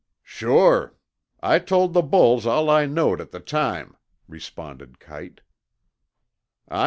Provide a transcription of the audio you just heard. "Sure. I told the bulls all I knowed at the time," responded Kite.